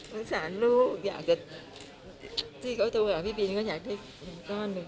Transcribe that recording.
อวกสารลูกอยากจะใช่เขาใจอันนั้น